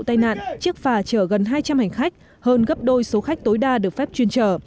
tai nạn chiếc phà chở gần hai trăm linh hành khách hơn gấp đôi số khách tối đa được phép chuyên chở